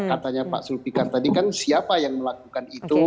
katanya pak sulfikar tadi kan siapa yang melakukan itu